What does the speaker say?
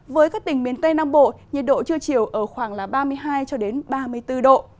với các tỉnh miền tây nam bộ nhiệt độ trưa chiều ở khoảng ba mươi hai ba mươi bốn độ